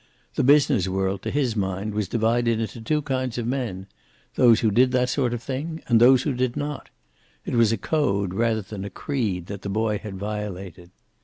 The business world, to his mind, was divided into two kinds of men, those who did that sort of thing, and those who did not. It was a code, rather than a creed, that the boy had violated.